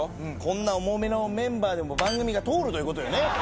こんな重めのメンバーでも番組が通るということよね。